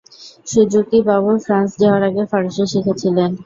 Suzuki বাবু France যাওয়ার আগে ফরাসি শিখেছিলেন।